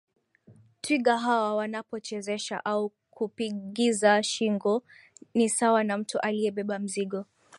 Twiga hawa wanapo chezesha au kupigiza shingo ni sawa na mtu aliye beba mzigo